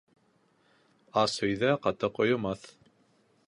Ас өйҙә ҡатыҡ ойомаҫ.